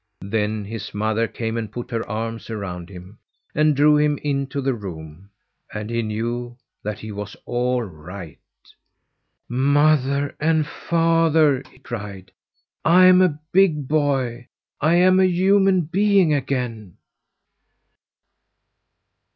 Then his mother came and put her arms around him and drew him into the room, and he knew that he was all right. "Mother and father!" he cried. "I'm a big boy. I am a human being again!"